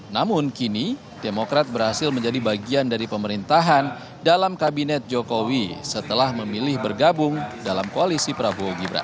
namun kini demokrat berhasil menjadi bagian dari pemerintahan dalam kabinet jokowi setelah memilih bergabung dalam koalisi prabowo gibran